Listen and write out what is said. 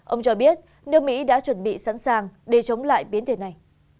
ông cho biết nước mỹ đã chuẩn bị sẵn sàng để chống lại biến thể này